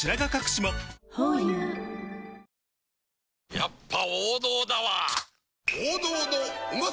やっぱ王道だわプシュ！